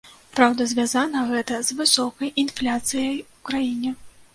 Праўда, звязана гэта з высокай інфляцыяй у краіне.